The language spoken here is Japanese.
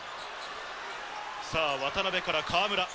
さあ、渡邊から河村。